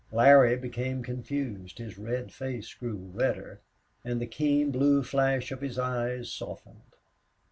Larry became confused, his red face grew redder, and the keen blue flash of his eyes softened.